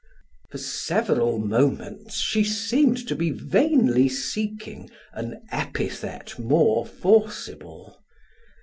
For several moments she seemed to be vainly seeking an epithet more forcible.